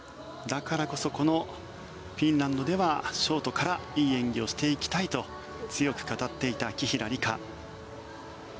だからこそこのフィンランドではショートからいい演技をしていきたいと強く語っていた紀平梨花。